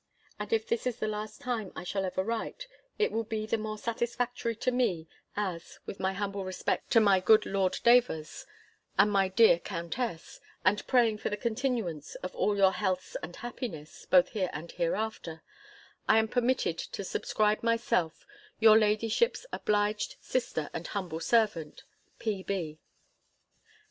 And if this is the last line I shall ever write, it will be the more satisfactory to me, as (with my humble respects to my good Lord Davers, and my dear countess, and praying for the continuance of all your healths and happiness, both here and hereafter), I am permitted to subscribe myself your ladyship's obliged sister and humble servant, P.